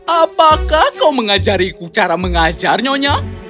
apakah kau mengajariku cara mengajar nyonya